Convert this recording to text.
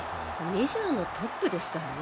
メジャーのトップですからね